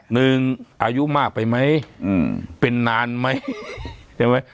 หนึ่งอายุมากไปไหมอืมเป็นนานไหมใช่ไหม